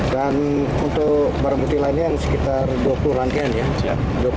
dan untuk barang bukti lainnya sekitar dua puluh rangkaian ya